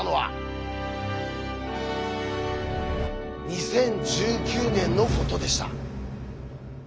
２０１９年のことでした。